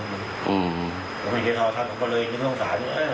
ก็ไม่ได้โทรศัพท์ก็เลยนึกลงสาร